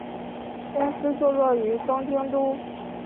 公司坐落于东京都。